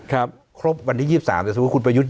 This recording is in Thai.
ครบวันที่๒๓แต่สมมุติคุณประยุทธ์